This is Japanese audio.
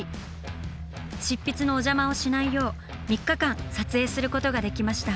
執筆のお邪魔をしないよう３日間撮影することができました。